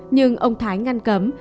nhưng ông thái ngăn cấm